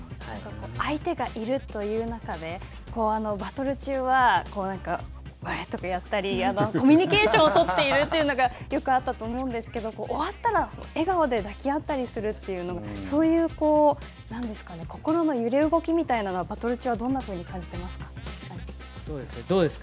相手がいるという中で、バトル中は、うわっとかやったりり、コミュニケーションを取っているというのがよくあったと思うんですけど、終わったら、笑顔で抱き合ったりするというのも、そういう心の揺れ動きみたいなのはバトル中はどんなふうに感じていますか。